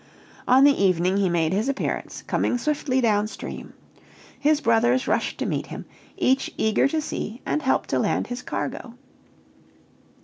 On the evening he made his appearance, coming swiftly down stream. His brothers rushed to meet him, each eager to see and help to land his cargo.